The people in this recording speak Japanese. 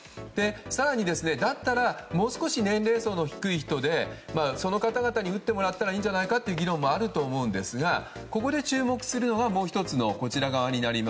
更に、だったらもう少し年齢層の低い人でその方々に打ってもらったらいいんじゃないかという議論もあると思いますがここで注目するのはもう１つのこちら。